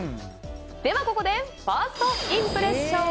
ここでファーストインプレッション。